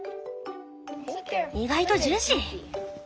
意外とジューシー。